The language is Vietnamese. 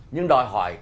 nhưng đòi hỏi